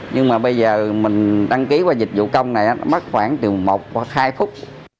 nhưng mà bây giờ mình đăng ký qua dịch vụ công này mất khoảng từ một hoặc hai phút